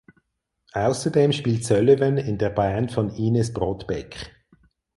Außerdem spielt Sullivan in der Band von Ines Brodbeck.